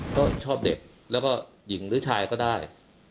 ก็ชอบเด็กแล้วก็หญิงหรือชายก็ได้